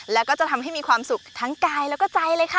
แล้วก็จะทำให้มีความสุขทั้งกายแล้วก็ใจเลยค่ะ